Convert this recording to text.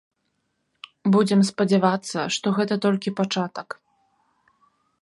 Будзем спадзявацца, што гэта толькі пачатак.